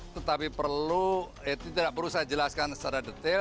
tetapi perlu tidak perlu saya jelaskan secara detail